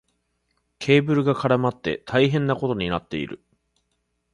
ケーブルが絡まって大変なことになっている。